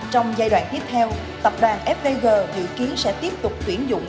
trong giai đoạn tiếp theo tập đoàn fvg dự kiến sẽ tiếp tục tuyển dụng